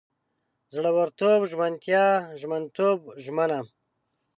زړورتوب، ژمنتیا، ژمنتوب، ژمنه